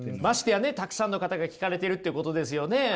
ましてやねたくさんの方が聞かれてるってことですよね？